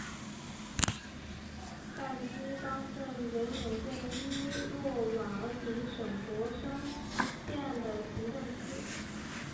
甘基当镇为缅甸伊洛瓦底省勃生县的行政区。